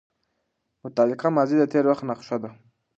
مطلقه ماضي د تېر وخت نخښه ده.